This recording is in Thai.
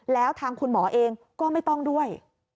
แล้วทางคุณหมอเองก็ไม่ต้องด้วย